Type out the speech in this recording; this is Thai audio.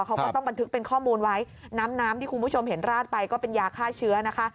เขาก็ต้องบันทึกเป็นข้อมูลไว้น้ำน้ำที่คุณผู้ชมเห็นราดไปก็เป็นยาฆ่าเชื้อนะคะ